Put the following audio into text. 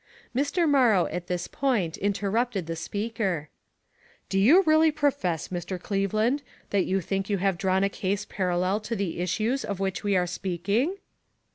" Mr. Morrow at this point interrupted the speaker. 44 Do you really profess, Mr. Cleveland, that you think you have drawn a case par allel to the issues of which we were speaking?